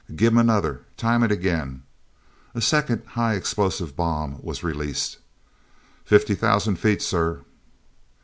"Give 'em another. Time it again." A second high explosive bomb was released. "Fifty thousand feet, sir."